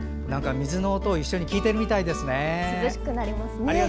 水の音を一緒に聞いてるみたいです。